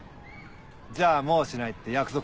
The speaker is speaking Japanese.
じゃあもうしないって約束。